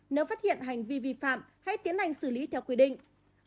nếu phát hiện hành vi vi phạm hãy tiến hành xử lý theo quy định